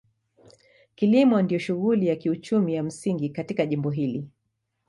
Kilimo ndio shughuli ya kiuchumi ya msingi katika jimbo hili.